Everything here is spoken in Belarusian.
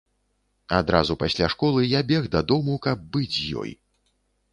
Адразу пасля школы я бег дадому, каб быць з ёй.